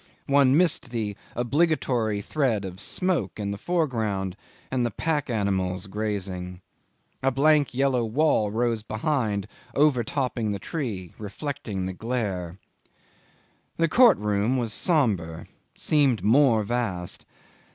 One missed the obligatory thread of smoke in the foreground and the pack animals grazing. A blank yellow wall rose behind overtopping the tree, reflecting the glare. The court room was sombre, seemed more vast.